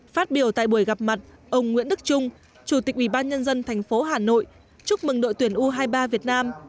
phát biểu tại buổi gặp mặt ông nguyễn đức trung chủ tịch ủy ban nhân dân thành phố hà nội chúc mừng đội tuyển u hai mươi ba việt nam